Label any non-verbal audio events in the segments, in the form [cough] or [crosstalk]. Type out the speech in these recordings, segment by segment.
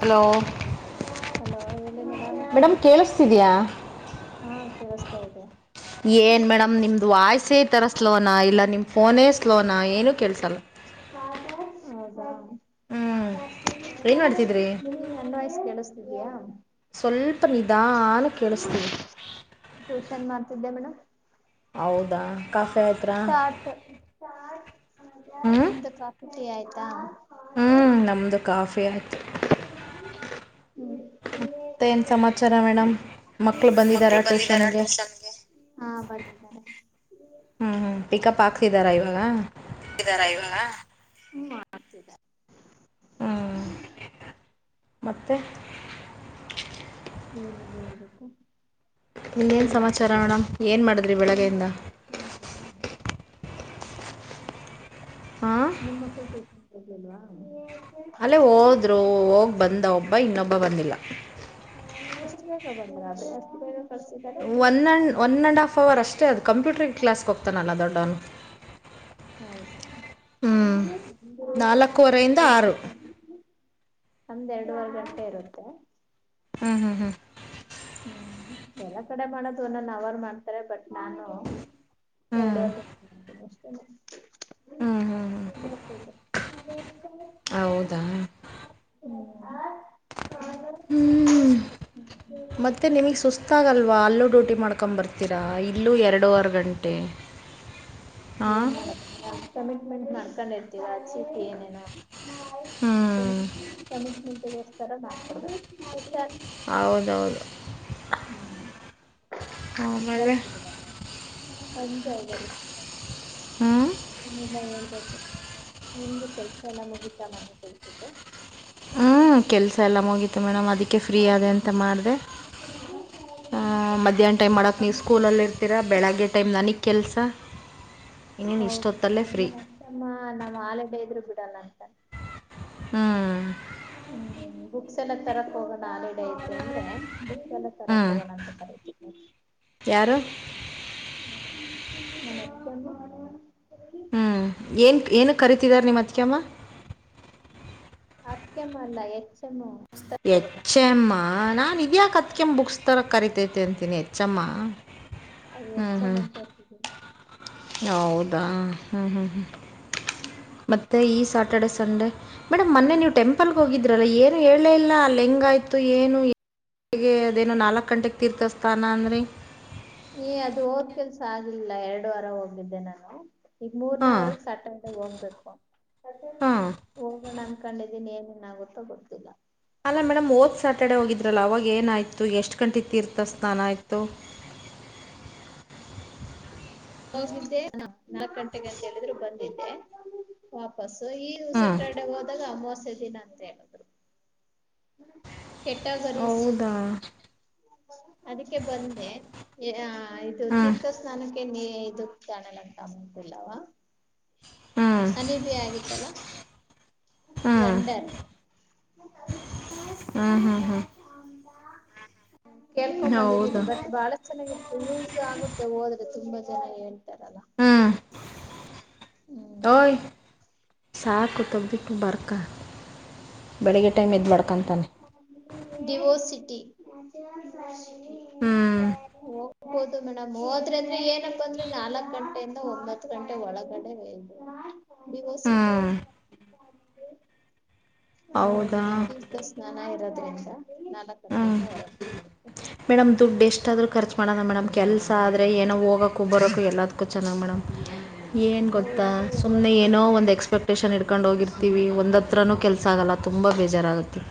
Hello hello ಹೇಳಿ madam ಕೇಳಿಸತಿದಯ ಹಾ ಕೇಳಸ್ತಾ ಇದೆ ಏನ್ ಮೇಡಮ್ ನಿಮ್ದ ವಾಯ್ಸೇ ಈ ತರ ಸ್ಲೋನಾ ಇಲ್ಲ ನಿಮ್ ಫೋನೇ ಸ್ಲೋನಾ ಏನು ಕೇಳ್ತಲ್ಲ ಹಾ ಅದೇ ಹ್ಞೂ ಹ ಏನು ಮಾಡ್ತಿದ್ರಿ ನೀನ್ನ್ ನನ್ನ ವಯಸ್ಸ ಕೇಳಿಸತಿದಯಾ ಸ್ವಲ್ಪ ನಿಧಾನ ಕೇಳಿಸ್ತೀವಿ ಟ್ಯೂಷನ್ ಮಾಡ್ತಿದ್ದೆ ಮೇಡಮ್.. ಹೌದಾ ಕಫ. ಚ ನಿಮ್ದು ಕಾಫಿ ಫ್ರೀ ಆಯ್ತಾ ಹ್ಮ್ ನಮ್ದು ಕಾಫಿ ಆಯ್ತು [inaudible] ಮತ್ತೇನು ಸಮಾಚಾರ ಮೇಡಮ್ ಮಕ್ಳು ಬಂದಿದ್ದಾರಾ ಟ್ಯೂಷನ್ಗೆ ಹಾ ಬಂದಿ ಬ ಹ್ಮ್ ಹ್ಮ್ ಪಿಕಪ್ ಹಾಕ್ಸಿದಾರಾ ಇವಾಗ ತಾರ ಇವತ ಹ್ಞೂ ಮತ್ತೆ ನೀಏನೆಲ್ಲ ಹೇಬೇಕು ಇನ್ನೇನು ಏನ್ ಸಮಾಚಾರ ಮಾಡ್ತಿದ್ದೀರಾ ಮೇಡಮ್ ಏನು ಮಾಡಿದ್ರಿ ನಿನ್ ಬೆಳಗ್ಗೆಯಿಂದ ಮಕ್ಳುದ್ರಾ ಹಾಂ ನಿಮ್ಮಕ್ಕಳು ತೋಷಲ್ವಾ ಅಲ್ಲೇ ಹೋದ್ರು ಹೋಗ್ ಬಂದ ಒಬ್ಬ ಇನ್ನೊಬ್ಬ ಬಂದಿಲ್ಲ ಅಷ್ಟು ಬೇಗ ಬ ಅ ಅಷ್ಟು ಬೇ one and one and half hour ಅಷ್ಟೇ ಅದು ಕಂಪ್ಯೂಟರಿ್ ಕ್ಲಾಸ್ಗೆೋಗ್ತಾನಲ್ಲ ದೊಡ್ಡವನು ಹೌದಾ ಹ್ಞೂ ನಾಲ್ಕೂವರೆಯಿಂದ ಆರು ಒಂದೆರಡುವರೆ ಗಂಟೆ ಇರುತ್ತೆ ಹ್ಮ್ ಹ್ಮ್ ಹ್ಮ್ ಹ್ಮ್ ಎಲ್ಲ ಕಡೆ ಮಾಡದು ನನ್ ಅವರು ಮಾಡ್ತಾರೆ ಬಟ್ ನಾನು ಹ್ಞೂ ಎರಡುುವರೆ ಹ್ಞೂ ಹ್ಞೂ ಹ್ಞೂ ಹ್ಞೂ ಹೌದಾ ಹಾ ಹ್ಮ್ ಮತ್ತೆ ನಿಮಗ್ ಸುಸ್ತಾಗಲ್ವಾ ಅಲ್ಲೂ ಡೊ ರಟಿ ಮಾಡ್ಕೊ್ ಬರ್ತೀರಾ ಇಲ್ಲೂ ಎರಡೂುವರೆ ಗಂಟೆ ಹಾಂ ಏನ್ ಮಾಡದ ಕಮಿಟ್ಮೆಂಟ್ ಮಾಡ್ಕೊಂಡ ಇರ್ತೀವ ಆ ಚಿಕ್ಕೆ ಏನೇನುೋ ಹ್ಞೂ ಕಮಿಟ್ ಮಟಗೋಸ್ತರ ಹೌದೌದು ಹ್ಮ್ ಬ ಆಮೇಲೆ ಹ ಕಂತ ಇದ್ದಾರೆ ಹ್ಞೂ ಏನಿಲ್ಲ ಹ ಬು ನಿಮ್ದು ಕೆಲ್ಸ ಎಲ್ಲ ಮುಗಿತಾ ಮನೆ ಕೆಲ್ಸಟ್ಟು ಹ್ಞೂ ಕೆಲಸ ಎಲ್ಲ ಮುಗಿತ್ತು ಮೇಡಮ್ ಅದಕ್ಕೆ ಫ್ರೀ ಅದೆ ಅಂತ ಮಾಡಿದೆ ಮಧ್ಯಾಹ್ನ ಟೈಮ್ ಮಾಡಕ್ ನೀವು ಸ್ಕೂಲಲ್ಲಿ ಇರ್ತೀರಾ ಬೆಳಗ್ಗೆ ಟೈಮ್ ನನಗ್ ಕೆಲ್ಸ ತ್ತ ಹೌದು ನಮ್ಮ ಅಚ್ಚಮ್ಮ ನಮ್ಮ ಆಲ ಬದ್ರು ಬಿಡಲ್ಲ ಅಂತ ಹ್ಞೂ ಹ್ಮ್ ಬುಕ್ಸ್ ಎಲ್ಲ ತರಕ್ ಹೋಗ ನಾಲ್ೆಡ ಐತೆ ಅಂದ್ರೆ ಬ ಎಲ್ಲ ಹ್ಞೂ ತರಪ್ ಹೋಗೋಣ ಅಂತ ಕರತೀಿ [unintelligible] [unintelligible] [inaudible] ಹ್ಮ್ ಏನ್ ಏನ ಕರೀತಿದಾರ ನಿಮ್ಮ ಅತ್ಕಮ್ಮ ಅತ್ಕಮ್ಮ ಅಲ್ಲ ಹೆಚ್ಚಮ್ಮ ಎಚ್ಚೆಮ್ಮ ನಾನ್ ಇದ್ಯಾ ಕ ಹತ್ಕಮ್ಮ ಬುಕ್ಸ್ ತರ ಕರಿತೈತೆ ಅಂತ ತಿಿನಿ ಹೆಚ್ಚಮ್ಮ ಅದು ಹ್ಮ್ ಎಚ್ ಎಂ ಹ್ಮ್ ಅಂತ ಇರ್ತಿದ್ದೀನಿ ಹೌದಾ ಹ್ಮ್ ಹ್ಮ್ ಹ್ಮ್ ಮತ್ತೆ ಈ ಸಾ ಸಟರ್ಡೆ ಸಂಡೇ ಮೇಡಮ್ ಮೊನ್ನೆ ನೀವು ಟೆಂಪಲ್ಗೆ ಹೋಗಿದ್ರರಲ್ಲ ಏನು ಹೇಳಲೇ ಇಲ್ಲ ಅಲ್ಲಿ ಹೆಂಗಯ್ತು ಏನು ಹಗೆ ಅದೇನುೋ ನಾಲ್ಕು ಗಂಟೆಗೆ ತೀರ್ಥ ಸ್ಥಾನ ಅಂದ್ರೆ ಏ ಅದು ಹೋದ್ ಕೆಲ್ಸ ಆಗ್ಲಿಲ್ಲ ಎರಡು ವಾರ ಹೋಗಿದ್ದೆ ನಾನು ಈಗ ಹಾಂ ಮೂರ್ನೇವರೆಗ ಸಟ್ಂಡ ಹೋಗ್ಬೇಕು ಹಾಂ ಹೋಗಣ ಕಕೊಂಡಿದ್ದೀಿ ಏನೇನ್ ಗುತ್ತೊ ಗೊತ್ತಿಲ್ಲ ಅಲ್ಲ ಮೇಡಮ್ ಓದ್ ಸ್ಯಾಟರ್ಡೆ ಹೋಗಿದ್ರಲ್ಲ ಅವಾಗ ಏನಾಯ್ತು ತ ಎಷ್ಟು ಗಂಟೆ ತೀರ್ಥ ಸ್ನಾನ ಆಯಿತು ಹೋಗಿದ್ದೆ ನಾಕ ಗಂಟೆಗ ಅಂತ ಹೇಳಿದ್ರು ಬಂದಿದ್ದೆ ವಾಪಸ್ ಸೊ ಈ ಹ್ಞೂ ಸ್ಯಾಟರ್ಡೆ ಹೋದಾಗ ಮೋಸ್ ೆ ದಿನ ಅಂತ ಹೇಳಿದ್ರು ಕೆಟಗರೀಸ್ ಹೌದಾ [inaudible] ಅದಕ್ಕೆ ಬಂದೆ ಇದು ಹ್ಞೂ ತೀರ್ಥ ಸ್ನಾನಕ್ಕೆ ಇ ಕಾಣಲ್ಲ ಅಂತು ಇಲ್ಲ [inaudible] ಹ್ಞೂ ಅನೆಬಿ ಆಗಿತ್ತಲ್ಲಾ ಹ್ಮ್ ಹ್ಮ್ ಹ್ಮ್ ಹ್ಮ [inaudible] ಕೇಳ್ಕೊ್ ಬಂದಿದ್ದೀನಿ ಬಟ್ ಬಾಳ ಚೆನ್ನಾಗಿ [unintelligible] ಆಗುತ್ತೆ ಹೋದ್ರೆ ತುಂಬಾ ಜನ ಹೇಳ್ತಾರಲ್ಲ ಹ್ಞೂ ಹ್ಮ್ ಓಯ್ ಸಾಕು [unintelligible] ಬರ್ಕ ಬೆಳಗ್ಗೆ ಟೈಮ್ ಇದ್ದ ಮಾಡಡ್ಕೊಂತಾನೆ [inaudible] ಹ್ಞೂ ಹೋಗ್ಬೋದು ಮೇಡಮ್ ಹೋದ್ರ ಅಂದ್ರೆ ಏನಪ್ಪ ಅಂದ್ರೆ ನಾಲ್ಕ ಗಂಟೆಯಿಂದ ಒಂಬತ್ ಗಂಟೆ ಒಳಗಡೆ ಬಿ ಓ ಸಿ ಹ್ಞೂ [unintelligible] ಹೌದಾ ನಾನಾ ಇರತ್ತು ನಿಮಿಷ ನಾಲ್ಕ ಹ್ಞೂ ಗಂಟೆಯಿಂದ ಒಳಗ ಮೇಡಮ್ ದುಡ್ಡು ಎಷ್ಟಾದರೂ ಖರ್ಚು ಮಾಡೋಣ ಮೇಡಮ್ ಕೆಲಸ ಆದರೆ ಏನೋ ಹೋಗೋು ಬರೋಕ್ಕು ಎಲ್ಲದಕ್ಕೂ ಚೆನ್ನಾಗಿ ಮೇಡಮ್ ಏನ್ ಅದೇ ಗೊತ್ತಾ ಹೋದ್ರೆ ಸುಮ್ನೆ ಏನೋ ಒಳ್ಳೇದಾಗುತ್ತಲ್ಲ, ಒಂದ್ ಎಕ್ಸ್ಪೆಕ್ಟೇಷನ್ ಇಡ್ತ ಕರ್ಕೊಂಡ ಹೋಗಿರ್ತಿವಿ ಒಂದತ್ರನುೂ ಕೆಲ್ಸ ಆಗಲ್ಲ ತುಂಬಾ ಬೇಜಾರಾಗತ್ತೆ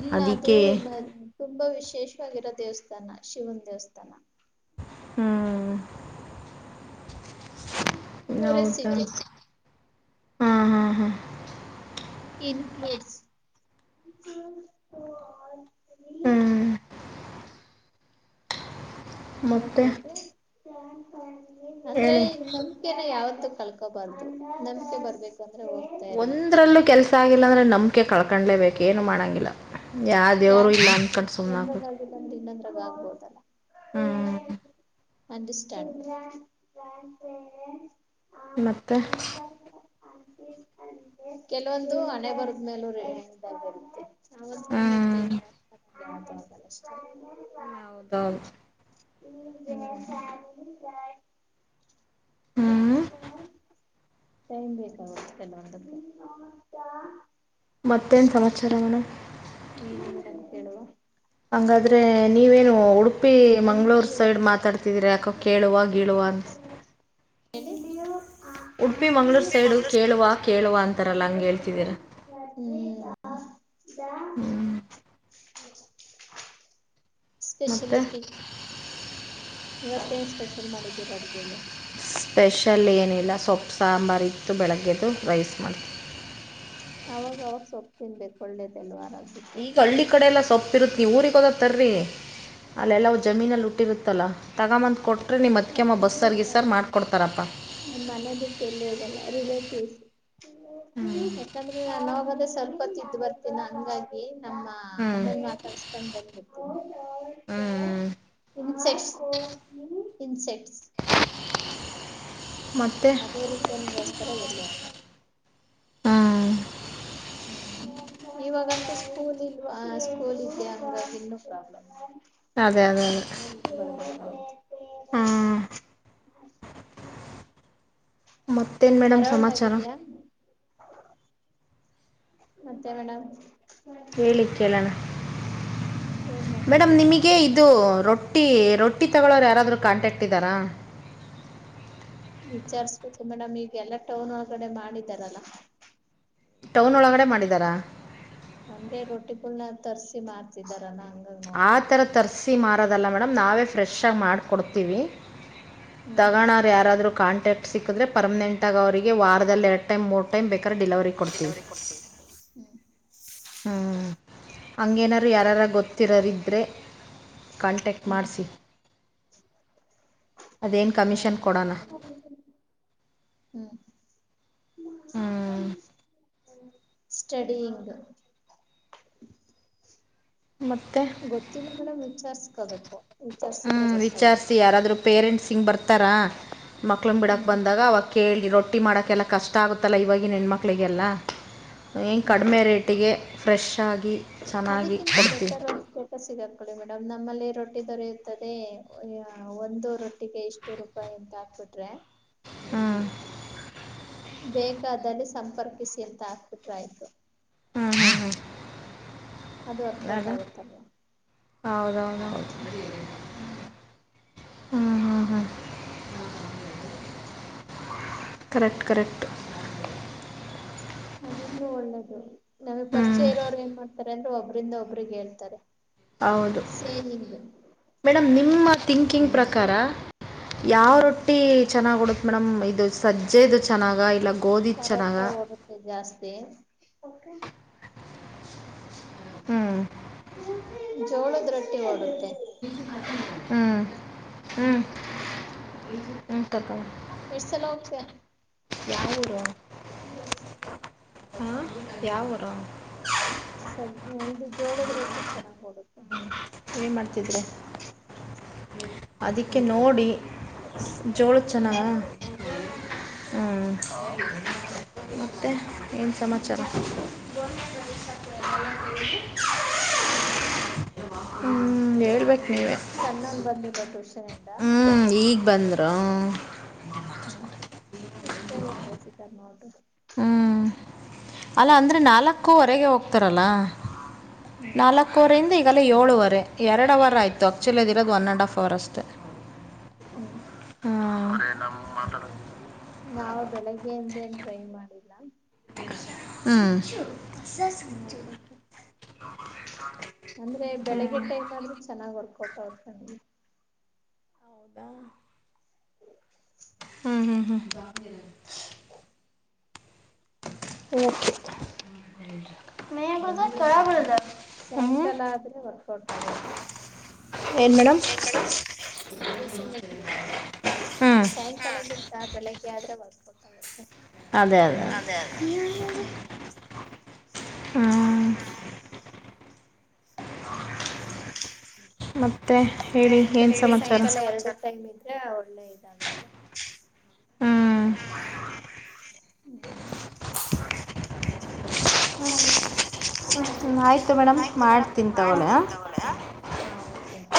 ಇಲ್ಲ ಅದು ತುಂಬಾ ವಿಶೇಷವಾಗಿರೋ ದೇವಸ್ಥಾನ ಶಿವನ ದೇವಸ್ಥಾನ ಹ್ಮ್ ಹೌದಾ ಕ್ಯೂರಿಯಾಸಿಟಿ ಹಾ ಹಾ ಹಾ ಇನ್ಕ್ಲೂಡ್ [unintelligible] ಹ್ಮ್ ಮತ್ತ ಮತ್ತೆ ಅಂದ್ರೆ ಹೇಳಿ ನಂಬಿಕೆನ ಯಾವ ಕಳ್ಕೋಬಾರ್ದು ನಂಬಿಕೆ ಬರ್ಬೇಕು ಅಂದ್ರೆ ಹೋಗ್ತಾ ಇರ್ಬೇಕು, ಒಂದ್ರಲ್ಲೂ ಕೆಲ್ಸ ಆಗಿಲ್ಲ ಅಂದ್ರೆ ನಂಬಿಕೆ ಕಳ್ಕೊಂಡಲೇಬೇಕು ಏನು ಮಾಡಂಗಿಲ್ಲ ಯಾರ ಒಂದ್ರಗಾಗಿ ನೊಂದು ಇನ್ನೊಂದ್ರಗ ಆಗ್ಬೋದಲ್ಲ ಹ್ಞೂ ಅಂಡಷ್ಟಾನ [unintelligible] ಮತ್ತೆ ಕೆಲವೊಂದು ಹಣೆ ಬರದ್ಮೇಲೂ ರೆಾಗಿರುತ್ತೆ [unintelligible] ಹ್ಞೂ [unintelligible] [inaudible] ಹ್ಮ. ಹೌದೌದು ಹ ಸ [unintelligible] ಎ ಹ್ಮ್ ಟೈಮ್ ಬೇಕಾಗುತ್ತ ಕೆಲ್ಲವಂದಕ್ಕೆ ಮತ್ತೇನ್ ಸಮಾಚಾರ ಮೇಡಮ್ ನೀಏನ್ಂತ ಅಂತ ಕುವ ಹಾಗಂಗಾದ್ರೆ ನೀವೇನು ಉಡುಪ ಉಪಿ ಮಂಗ್ಗಳೂರ್ ಅನ್ಕ್ಲಿಯರ್ ಸೈಡ್ ಮಾತಾಡ್ತಿದೀರಿ ಯಾಕ ಕೇಳುವ ಗೀಳುವ ಅಂತ ಎ ಉಡುಪಿ ಮಂ್ಗಳೂರು ಸೈಡು ಕೇಳುವ ಕೇಳುವ ಅಂತಾರಲ್ಲ ಹಂಗಗೆ ಹೇಳ್ತಿದ್ದೀರ ಇದಾ ಮತ್ತೆ ಸ್ಪೆಷಾಲಿಟಿ ಇವತ್ತೇ ಸ್ಪೆಷಲ್ ಮಾಡಿದ್ದೀರ ಅಡ್ಗೆಗೆ ಸ್ಪೆಷಲ್ ಏನಿಲ್ಲ ಸೊಪ್ಪು ಸಾಂಬಾರ ಇತ್ತು ಬೆಳಗ್ಗೆದುು ರೈಸ್ ಮಾಡ್ತು ಅವಾಗ ಅವಾಗ ಸೊಪ್ಪು ತಿನ್ಬೇಕು ಒಳ್ಳೇದಲ್ವಾ ಅರೋಗ್ಯಕೆ ಈಗ ಹಳ್ಳಿ ಕಡೆ ಎಲ್ಲ ತಪ್ಪಿರುತ್ತೆ ನೀವು ಊರಿಗೆ ಹೋದ ತರ್ರೀ ಅಲ್ಲೆಲ್ಲವು ಜಮೀನಲ್ಲಿ ಹುಟ್ಟಿರುತ್ತಲ್ಲ ತಗೊಂಬಂದು ಕೊಟ್ಟ ನಾನ ಎ ಹಲ್ಲ ನನ್ ಮನೆ ಬಿಟ್ಟು ಎಲ್ಲಿ ಹೋಗಲ್ಲ ರಿಲೇಟಿವ್ಸ್ ಹ್ಮ ಯಾಕಂದ್ರೆ ನಾನ ಹೋಗದ ಸ್ವಲ್ಪ ಹೊ ತಿದ್ದ ಬರ್ತೀನ ಹಂಗಾಗಿ ನಮ್ಮ ಹ್ಞೂ ಅಮ್ಮ ಮತ ಸ್ಥಾನ ಬಂದತ ಹಾ ಇನ್ಸೆಕ್ಟ್ಸ್ ಇನ್ಸೆಕ್ಟ್ಸ್ ಮತ್ತೆ ಅದೇ ರೀತನ್ಗೋಸ್ಕರ ಇಲ್ಲವ ಹ್ಞೂ [inaudible] ಇವಾಗಂತೂ ಸ್ಕೂಲ್ ಇ ಸ್ಕೂಲ್ ಇದದೆ ಅಂದಾಗ ಇನ್ನುೂ ಪ್ರಾಬ್ಲಮ್ ಅದೇ ಅದೇ ಅದೇ ಹ ಹಾ [unintelligible] ಮತ್ತೇನು ಮೇಡಮ್ ಸಮಾಚಾರ ಆಗಿದ್ಯಾ ಮತ್ತೆ ಮೇಡಮ್ ಹೇಳಿ ಕೇಳೋಣ ಏನ್ ಮೇಡಮ್ ಮಾಡ್ತಿದ್ದೀರಾ ನಿಮಗೆ ಇದು ರೊಟ್ಟಿ ರೊಟ್ಟಿ ತಗೊಳೋರು ಯಾರಾದ್ರೂ ಕಾಂಟ್ಯಾಕ್ಟ್ ಇದ್ದಾರಾ ವಿಚಾರಸ್್ಬೇಕು ಮೇಡಮ್ ಈಗ ಎಲ್ಲಾ ಟೌನ್ ಒಳಗಡೆ ಮಾಡಿದಾರಲ್ಲ ಟೌನ್ ಒಳಗಡೆ ಮಾಡಿದಾರಾ ಅಂದ್ರೆ ರೊಟ್ಟಿಗಳನ ತರ್ಸಿ ಮಾಡ್ತಿದಾರ ನ ಆ ಥರ ತರ್ಸಿ ಮಾರೋದಲ್ಲ ಮೇಡಮ್ ನಾವೇ ಫ್ರೆಶ್ಾಗಿ ಮಾಡಕೊಡ್ತೀವಿ ಹ್ಮ್ ತಗಣಾರ ಯಾರಾದ್ರೂ ಕಾಂಟ್ಯಾಕ್ಟ್ ಸಿಕ್ಕಿದ್ರೆ ಪರ್ಮನೆಂಟ್ ಆಗ ಅವರಿಗೆ ವಾರದಲ್ಲಿ ಎರಡು ಟೈಮ್ ಮೂರು ಟೈಮ್ ಬೇಕು ಡಿಲವರಿ ಕೊಡ್ತೀವಿ ಹ್ಮ್ ಹಂಗೇನಾರೂ ಯಾರಾರ ಗೊತ್ತಿರರಿದ್ರೆ ಕಾಂಟ್ಯಾಕ್ಟ್ ಮಾಡ್ಿಸಿ ಹೌ ಕಮಿಷನ್ ಕೊಡೋಣ ಹ್ಮ್ ಹ್ಮ್ ಸ್ಟಡಿಂಗ್ ಮತ್ತು ಗೊತ್ತಿಲ್ಲ ಮೇಡಮ್ ವಿಚಾರ್ಸ್ಕೋಬೇಕು ವಿಚಾರ್ಸಿದ್ರೆ ಹ್ಮ್ ಗೊತ್ತಾಗುತ್ತೆ ವಿಚಾರ್ಸಿ ಯಾರಾದ್ರು ಪೇರೆಂಟ್ಸ್ ಹಿಂಗ ಬರ್ತಾರ ಮಕ್ಳ ಬಿಡಾಕ್ ಹ್ಮ್ ಬಂದಾಗ ಅವಾಗ ಕೇಳಿ ನೋ ರೊಟ್ಟಿ ಮಾಡೋಕ್ಕೆಲ್ಲ ಕಷ್ಟ ಆಗುತ್ತಲ್ಲ ಇವವಾಗಿ ಹೆಣ್ಮಕ್ಳಿಗೆಲ್ಲ ಹಏಂ ಹ್ಮ್ ಕಡಿಮೆ ರೇಟಿಗೆ ಫ್ರೆಶ್ ಆಗಿ ಚೆನ್ನಾಗಿ ಅದಕ್ಕಿಂತ ಕೊಡ್ತೀವಿ ಬೆಟರ್ ಆಿಸಬೇಕು ಸಿಗಾಕೊಳ್ಳಿ ಮೇಡಮ್ ನಮ್ಮಲ್ಲಿ ರೊಟ್ಟಿ ದೊರೆಯುತ್ತದೆ ಒಂದು ರೊಟ್ಟಿಗೆ ಇಷ್ಟು ರೂಪಾಯಿ ಎಂತ ಹಾಕ್ಬಿಟ್ರೆ ಹ್ಮ್ ಬೇಕಾದಲ್ಲಿ ಸಂಪರ್ಕಿಸಿ ಅಂತ ಹಕ್ಬಿಟ್ರಾಯ್ತು ಹ್ಮ ಹ್ಮ ಹ್ಮ ಅದು ವರ್ಕೌಟ್ ಆಗುತ್ತಲ್ವಾ ಹೌದೌದೌ ಹ್ಮ್ ಹ್ಮ ಹ್ಮ್ ಕರೆಕ್ಟ್ ಕರೆಕ್ಟ್ ಅದನ್ನು ಒಳ್ಳೇದು ನಮಗ್ ಹ್ಞೂ ಪರಿಚಯ ಇರೋರು ಏನ್ ಮಾಡ್ತಾರೆ ಅಂದ್ರರು ಒಬ್ಬ್ರಂದ ಒಬ್ರಿಗೆ ಹೇಳ್ತಾರೆ ಹೌದು ಸೇವಿಂಗ್ ಮೇಡಮ್ ನಿಮ್ಮ ಥಿಂಕಿಂಗ್ ಪ್ರಕಾರ ಯಾವ ಹ್ಮ್ ರೊಟ್ಟಿ ಚೆನ್ನಾಗ್ ಉಡುತ್ತ ಮೇಡಮ್ ಇದು ಸಜ್ಜೆದು ಚೆನ್ನಾಗ ಇಲ್ಲ ಗೋಧಿದು ಪರೋಟ ಚೆನ್ನಾಗ ಓಡುತ್ತೆ ಜಾಸ್ತಿ ಹ್ಮ್ ಜೋಳದ ರೊಟ್ಟಿ ಹೋಗುತ್ತೆ ಹ್ಮ್ ಹ್ಮ್ ಇಂತಕ ಎಷ್ಟ್ ಸಲ ಹೋಗ್ತೀಯ ಯಾವರ ಹ ಯಾವರ ಸದ ಇದು ಜೋಳದ ರೊಟ್ಟಿಗೆ ಚೆನ್ನಾಗ್ ಹೋಗುತ್ತೆ ಏನು ಮಾಡ್ತಿದ್ರೆ [inaudible] ಅದಕ್ಕೆ ನೋಡಿ ಜೋಳ ಹ್ಮ್ [inaudible] ಮತ್ತೆ ಏನು ಸಮಾಚಾರ [unintelligible] ಮತ್ತೆ ಹ್ಮ್ ಹೇಳ್ಬೇಕು ನೀವೇ ಸಣ್ಣನ್ ಬಂದಿದ್ದ ಟ್ಯೂಷನಇಂದ ಹ್ಞೂ ಈಗ ಬಂದರ ಹ್ಮ್ ಎಷ್ಟು ಬೇಗ [inaudible] ಹ್ಞೂ ಅಲ್ಲ ಅಂದ್ರೆ ನಾಲ್ಕೂವರೆಗೆ ಹೋಗ್ತಾರಲ್ಲ ಹ್ಮ್ ನಾಲ್ಕೂವರೆಿಂದ ಏಳುವರೆ ಎರವಾರ ಆಯ್ ಆಕ್ಚುಲಿ ಅದ ಇರೋ ಒನ್ ಅಂಡ್ ಹಫ್ರ್ ಅಷ್ಟು ಹ್ಮ್ ಹ್ಮ [inaudible] ನಾವವು ಬೆಳಗ್ಗೆಯಿಂದ ಏನ್ ಟ್ರೈ ಮಾಡಿಲ್ಲ ನೋಡ್ಬೇಕು ಹ್ಮ್ ಅಂದ್ರೆ ಬೆಳಿಗ್ಗೆ ಟೈಮ್ ಆದ್ರೂ ಚೆನ್ನಾಗ್ ಹೊರ್ಕೊಟ ಅವತಗೆ ಹೌದಾ ಹ್ಮ್ ಹ್ಮ್ ಹ್ಮ್ [inaudible] ಹ್ಞೂ ಸಾಯಂಕಾಲ ಆದ್ರೆ ವರ್ಕೌಟ್ ಆಗಲ್ಲ ಏನ್ ಮೇಡಮ್ ಟೂಷನ್ ನನ್ಗೆ ಹ್ಞೂ ಸ ಬೆಳಿಗ್ಗೆ ಆದ್ರೆ [inaudible] ಅದೇ ಅದೇೇ ಅದೇ ಅದೇ ಹ್ಮ ಮತ್ತೆ ಮತ್ತೆ ಹೇಳಿ ಏನು ಬೆಳೆಗೆ ಸಮಾಚಾರ ಸಂಕಲ್ಪ ಆದ್ರೆ ಒಳ್ಳೆ ಇದಾಗುತ್ತೆ ಹ್ಮ ಹ್ಮ ಆಯ್ತು ಮೇಡಮ್ ಮಾಡ್ತೀನಿ ತಗೊಳ್ಳಿ ಮಾಡ್ತೀನ್ ಹಾಂ ತಗಳ